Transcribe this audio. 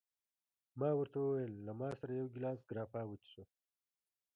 ما ورته وویل: له ما سره یو ګیلاس ګراپا وڅښه.